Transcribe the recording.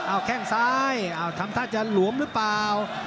อ้าวแค่งซ้ายอ้าวทำท่าจะหลวมหรือเปล่า